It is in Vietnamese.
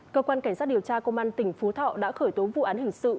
cơ quan cảnh sát điều tra công an tỉnh phú thọ đã khởi tố vụ án hình sự